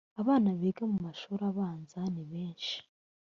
abana biga mu mashuri abanza nibenshi